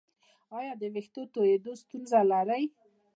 ایا د ویښتو تویدو ستونزه لرئ؟